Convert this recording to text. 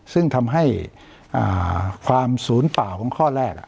ซึ่งทำให้ความศูนย์เปล่าของข้อแรก